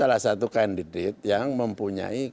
salah satu kandidat yang mempunyai